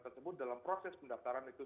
tersebut dalam proses pendaftaran itu